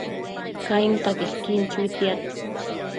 Cainta quequin chuitiad